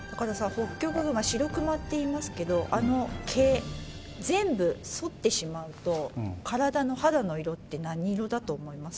ホッキョクグマシロクマっていいますけどあの毛全部そってしまうと体の肌の色って何色だと思います？